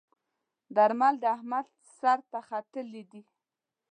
درمل د احمد سر ته ختلي ديی.